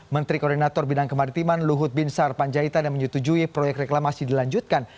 menteri koordinator bidang kemaritiman luhut binsar panjaitan yang menyetujui proyek reklamasi dilanjutkan